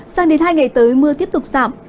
sang đến hai ngày tới mưa tiếp tục giảm